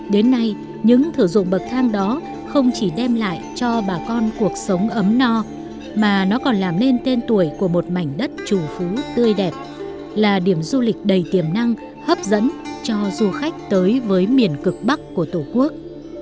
đến nay những thử dụng bậc thang đó không chỉ đem lại cho bà con cuộc sống ấm no mà nó còn làm nên tên tuổi của một mảnh đất chủ phú tươi đẹp là điểm du lịch đầy tiềm năng hấp dẫn cho du khách tới với miền cực bắc của tổ quốc